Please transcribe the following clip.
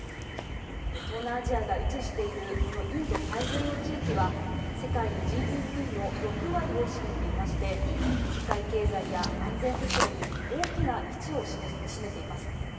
東南アジアが位置しているこのインド太平洋地域は、世界のＧＤＰの６割を占めていまして、世界経済や安全保障に大きな位置を占めています。